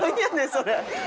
それ。